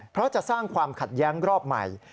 เพราะจะสร้างความขัดแย้งรอบใหม่